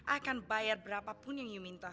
akan bayar berapa pun yang iu minta